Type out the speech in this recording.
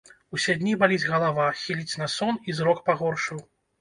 Усе дні баліць галава, хіліць на сон і зрок пагоршаў.